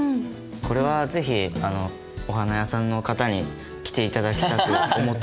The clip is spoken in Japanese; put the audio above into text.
これは是非お花屋さんの方に着て頂きたく思って。